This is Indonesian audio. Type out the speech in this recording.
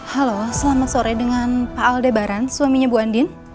halo selamat sore dengan pak aldebaran suaminya bu andin